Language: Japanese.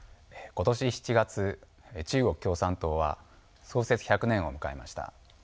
今年７月中国共産党は創設１００年を迎えました。